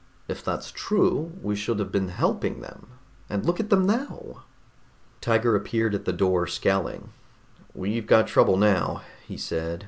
"If that's true, we should have been helping them, and look at them now!" Tiger appeared at the door, scowling. "We've got real trouble, now," he said.